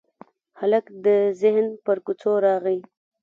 هلک د ذهن پر کوڅو راغلی